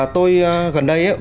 tôi gần đây á